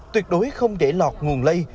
tuyệt đối không để lọt nguồn lây